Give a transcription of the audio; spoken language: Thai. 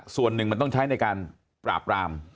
ส่วนหนึ่งมันต้องใช้ในการปราบราม